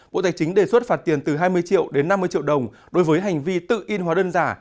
bộ tài chính đề xuất phạt tiền từ hai mươi triệu đến năm mươi triệu đồng đối với hành vi tự in hóa đơn giả